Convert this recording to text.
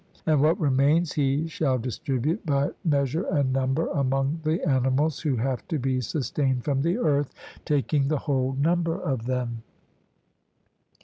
And what remains he shall distribute by measure and number among the animals who have to be sustained from the earth, taking the whole number of them.